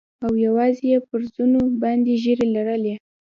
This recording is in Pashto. او يوازې يې پر زنو باندې ږيرې لرلې.